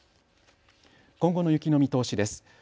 今後の雪の見通しです。